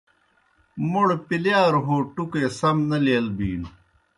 موْڑ پِلِیاروْ ہو ٹُکے سم نہ لیل بِینوْ۔